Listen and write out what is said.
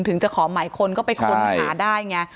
ถึงจะขอหมายคนก็ไปค้นหาได้ไง